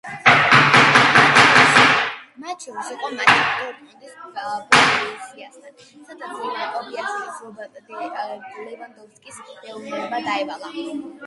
მათ შორის იყო მატჩი დორტმუნდის „ბორუსიასთან“, სადაც ლევან კობიაშვილს რობერტ ლევანდოვსკის მეურვეობა დაევალა.